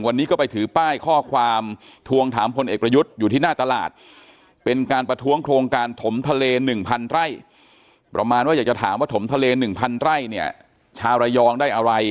วันนี้ก็ไปถือป้ายข้อความทวงถามพลเอกประยุทธ์อยู่ที่หน้าตลาด